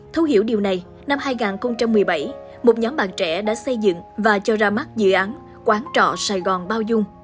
thấu hiểu điều này năm hai nghìn một mươi bảy một nhóm bạn trẻ đã xây dựng và cho ra mắt dự án quán trọ sài gòn bao dung